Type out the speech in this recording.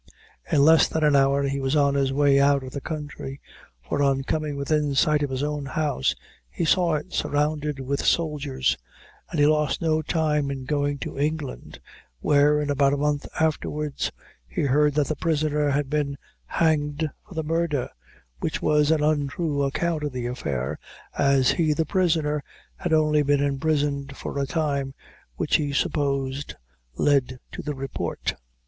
In less than an hour he was on his way out of the country, for on coming within sight of his own house, he saw it surrounded with soldiers, and he lost no time in going to England, where, in about a month afterwards, he heard that the prisoner had been hanged for the murder, which was an untrue account of the affair, as he, the prisoner, had only been imprisoned for a time, which he supposed led to the report.